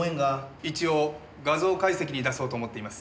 一応画像解析に出そうと思っています。